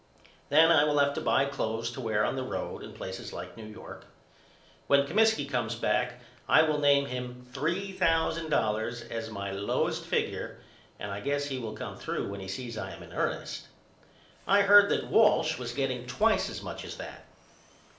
Then I will have to buy cloths to wear on the road in places like New York. When Comiskey comes back I will name him three thousand dollars as my lowest figure and I guess he will come through when he sees I am in ernest. I heard that Walsh was getting twice as much as that.